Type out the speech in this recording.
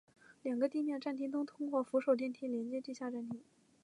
两个地面站厅都通过扶手电梯连接地下站厅。